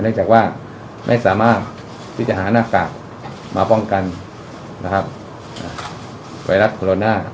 เนื่องจากว่าไม่สามารถพิจารณากากมาป้องกันไวรัสโคโรนา